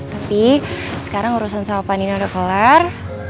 tapi sekarang urusan sama panino udah kelar